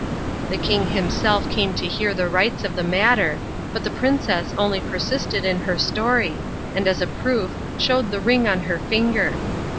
The king himself came to hear the rights of the matter, but the princess only persisted in her story, and as a proof showed the ring on her finger.